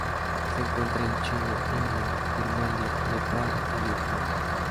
Se encuentra en China, India, Birmania, Nepal y Vietnam.